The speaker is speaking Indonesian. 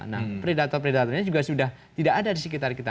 nah predator predatornya juga sudah tidak ada di sekitar kita